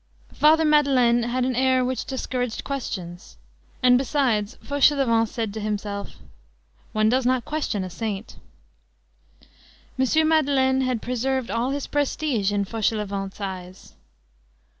Father Madeleine had an air which discouraged questions; and besides, Fauchelevent said to himself: "One does not question a saint." M. Madeleine had preserved all his prestige in Fauchelevent's eyes.